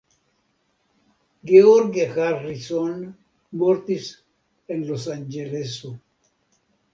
George Harrison mortis en Losanĝeleso.